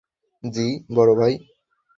জি, বড় ভাই?